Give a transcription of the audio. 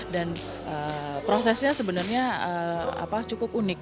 dan prosesnya sebenarnya cukup unik